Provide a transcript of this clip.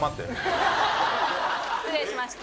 失礼しました。